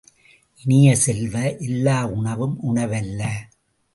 இனிய செல்வ, எல்லா உணவும் உணவல்ல!